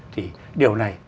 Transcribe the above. thì điều này